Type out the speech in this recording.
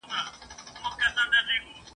اشاراتو او پېچلو مفاهیمو قرباني کړو !.